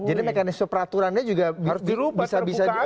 jadi mekanisme peraturannya juga bisa berubah ya